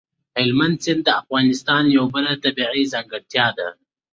هلمند سیند د افغانستان یوه بله طبیعي ځانګړتیا ده.